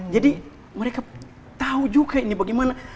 jadi mereka tahu juga ini bagaimana